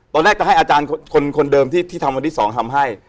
ตอนแรกก็ให้อาจารย์คนเดิมที่ทำวันที่๒ทำให้